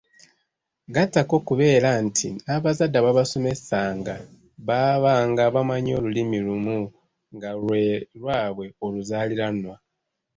Gattako okubeera nti n’abazadde abaabasomesanga baabanga bamanyi Olulimi lumu nga lwe lwabwe oluzaaliranwa.